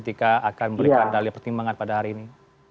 apakah ini akan memberikan dalil pertimbangan pada hari ini